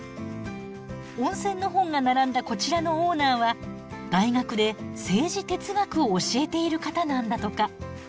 温泉の本が並んだこちらのオーナーは大学で政治哲学を教えている方なんだとか。